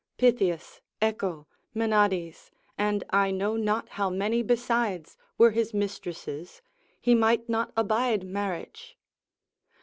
Pythias, Echo, Menades, and I know not how many besides, were his mistresses, he might not abide marriage.